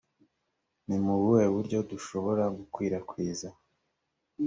ni mu buhe buryo dushobora gukwirakwiza